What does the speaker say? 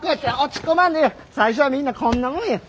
最初はみんなこんなもんや。